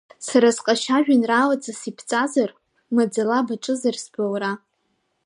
Са сҟазшьа жәеинраалаҵас ибҵазар, маӡала баҿызар сбылра…